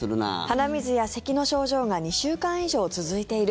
鼻水やせきの症状が２週間以上続いている。